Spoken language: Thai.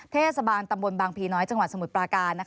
เทศบาลตำบลบางพีน้อยจังหวัดสมุทรปราการ